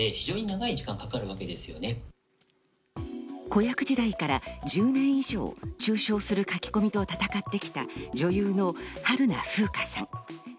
子役時代から１０年以上、中傷する書き込みと戦ってきた、女優の春名風花さん。